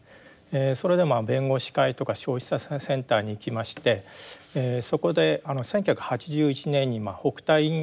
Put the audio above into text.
それで弁護士会とか消費者センターに行きましてそこで１９８１年に北炭夕張でですね